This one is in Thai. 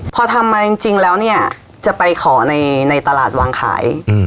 พอทำมาจริงแล้วเนี่ยจะไปขอในตลาดวางขาย